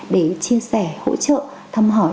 để chia sẻ hỗ trợ thăm hỏi